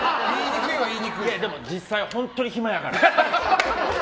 でも実際、本当に暇やから。